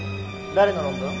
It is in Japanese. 誰の論文？